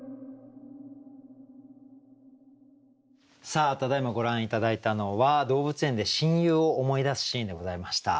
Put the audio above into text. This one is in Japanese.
さあただいまご覧頂いたのは動物園で親友を思い出すシーンでございました。